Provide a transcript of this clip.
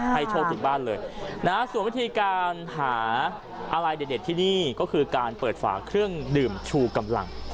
โชคถึงบ้านเลยนะส่วนวิธีการหาอะไรเด็ดที่นี่ก็คือการเปิดฝาเครื่องดื่มชูกำลัง